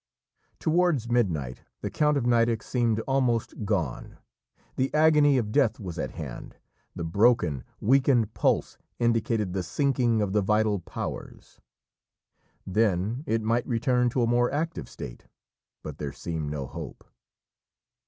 Towards midnight the Count of Nideck seemed almost gone; the agony of death was at hand; the broken, weakened pulse indicated the sinking of the vital powers; then, it might return to a more active state; but there seemed no hope.